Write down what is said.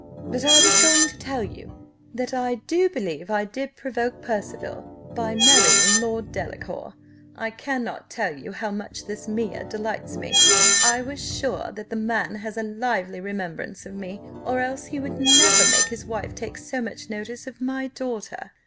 But I was going to tell you, that I do believe I did provoke Percival by marrying Lord Delacour: I cannot tell you how much this Mea delights me I am sure that the man has a lively remembrance of me, or else he would never make his wife take so much notice of my daughter."